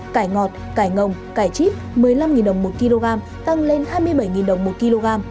cải ngọt cải ngồng cải chít một mươi năm đồng một kg tăng lên hai mươi bảy đồng một kg